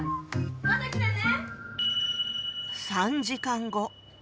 また来てね。